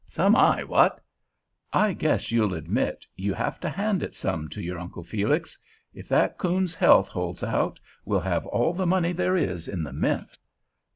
Some eye? What? I guess you'll admit you have to hand it some to your Uncle Felix. If that coon's health holds out, we'll have all the money there is in the mint."